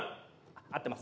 合ってます。